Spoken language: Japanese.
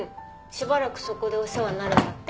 しばらくそこでお世話になるんだって。